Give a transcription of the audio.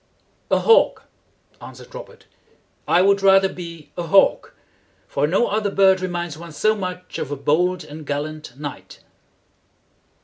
"A hawk," answered Robert. "I would rather be a hawk, for no other bird reminds one so much of a bold and gallant knight."